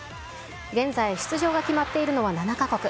現在、出場が決まっているのは７か国。